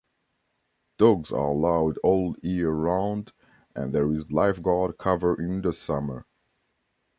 Dogs are allowed all year around and there is lifeguard cover in the summer.